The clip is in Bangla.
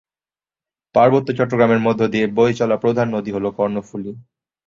পার্বত্য চট্টগ্রামের মধ্য দিয়ে বয়ে চলা প্রধান নদী হল কর্ণফুলী।